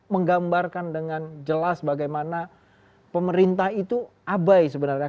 menggambarkan dengan jelas bagaimana pemerintah itu abai sebenarnya